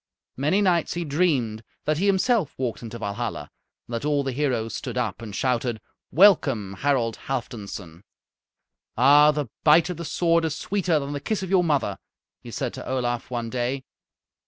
Many nights he dreamed that he himself walked into Valhalla, and that all the heroes stood up and shouted: "Welcome! Harald Halfdanson!" "Ah! the bite of the sword is sweeter than the kiss of your mother," he said to Olaf one day.